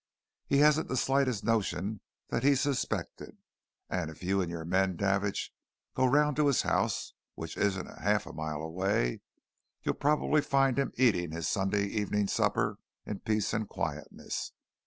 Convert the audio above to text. He hasn't the slightest notion that he's suspected, and if you and your men, Davidge, go round to his house, which isn't half a mile away, you'll probably find him eating his Sunday evening supper in peace and quietness.